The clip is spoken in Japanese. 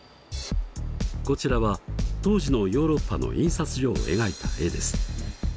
こちらは当時のヨーロッパの印刷所を描いた絵です。